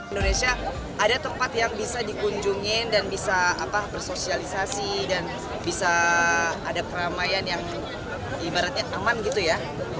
indonesia ada tempat yang bisa dikunjungin dan bisa bersosialisasi dan bisa ada keramaian yang ibaratnya aman gitu ya